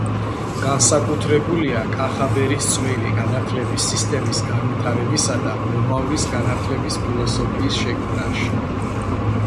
განსაკუთრებულია კახაბერის წვლილი განათლების სისტემის განვითარებისა და მომავლის განათლების ფილოსოფიის შექმნაში